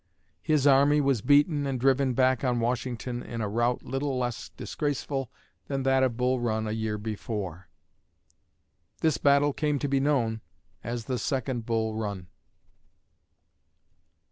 His army was beaten and driven back on Washington in a rout little less disgraceful than that of Bull Run a year before. This battle came to be known as the "Second Bull Run."